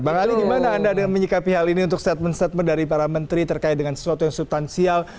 bang ali gimana anda dengan menyikapi hal ini untuk statement statement dari para menteri terkait dengan sesuatu yang subtansial